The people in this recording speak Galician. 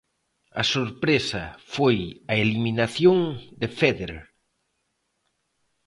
A sorpresa foi a eliminación de Féderer.